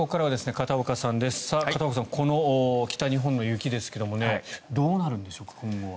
片岡さん、北日本の雪ですけどもどうなるんでしょう、今後は。